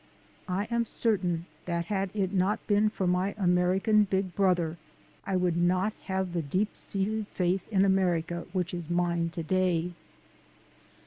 I am certain that had it not been for my American "Big Brother" I would not have the deep seated faith in America which is mine to day.